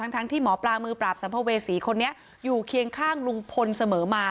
ทั้งที่หมอปลามือปราบสัมภเวษีคนนี้อยู่เคียงข้างลุงพลเสมอมา